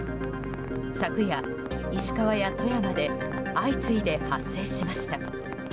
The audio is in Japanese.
昨夜、石川や富山で相次いで発生しました。